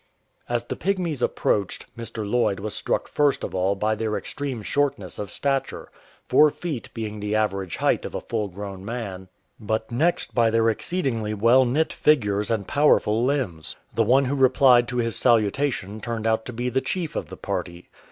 As the Pygmies approached, Mr. Lloyd was struck first of all by their extreme shortness of stature, four feet being the average height of a full grown man, but next 178 A GOOD NATURED CHIEF by their exceedingly well knit figures and powerful limbs. The one who replied to his salutation turned out to be the chief of the party.